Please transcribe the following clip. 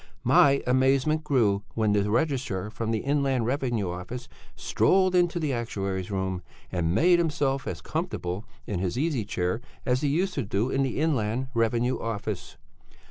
My amazement grew when the registrar from the Inland Revenue Office strolled into the actuary's room, and made himself as comfortable in his easy chair as he used to do in the Inland Revenue Office.